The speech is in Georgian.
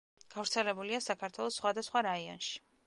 გავრცელებულია საქართველოს სხვადასხვა რაიონში.